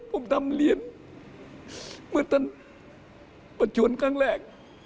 ผมทำเรียนเมื่อท่านประจวนครั้งแรก